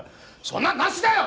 そんなんなしだよ！